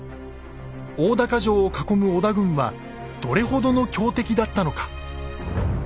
大高城を囲む織田軍はどれほどの強敵だったのか。